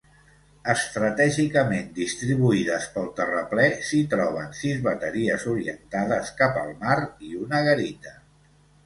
Estratègicament distribuïdes pel terraplè, s'hi troben sis bateries orientades cap al mar, i una garita.